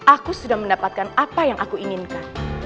aku sudah mendapatkan apa yang aku inginkan